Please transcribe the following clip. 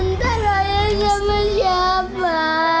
ntar ayah sama siapa